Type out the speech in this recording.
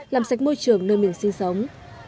làm sạch môi trường nơi mình sinh sống